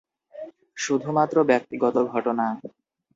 শুধুমাত্র ব্যক্তিগত ঘটনা.